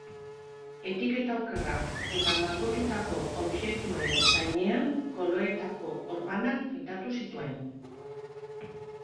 Etiketa okerrak eta margotutako objektuen gainean koloretako orbanak pintatu zituen.